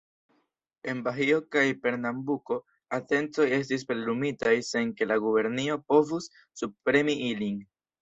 En Bahio kaj Pernambuko, atencoj estis plenumitaj sen ke la gubernio povus subpremi ilin.